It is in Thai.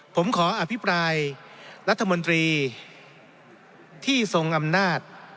ผมขออภิปรายรัฐมนตรีที่ทรงอำนาจ